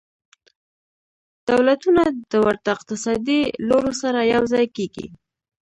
دولتونه د ورته اقتصادي لورو سره یوځای کیږي